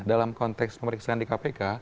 dalam konteks pemeriksaan di kpk